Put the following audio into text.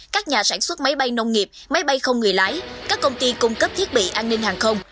các nhà sản xuất máy bay nông nghiệp máy bay không người lái các công ty cung cấp thiết bị an ninh hàng không